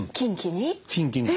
キンキに？